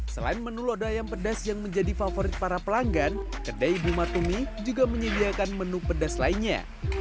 selain menu lodo ayam pedas yang menjadi favorit para pelanggan kedai bunga tumi juga menyediakan menu pedas lainnya